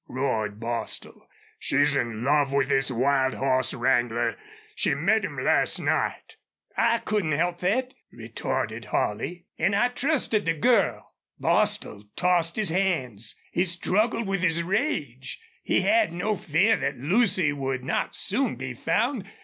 roared Bostil. "She's in love with this wild hoss wrangler! She met him last night!" "I couldn't help thet," retorted Holley. "An' I trusted the girl." Bostil tossed his hands. He struggled with his rage. He had no fear that Lucy would not soon be found.